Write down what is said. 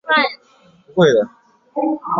明清时升正四品。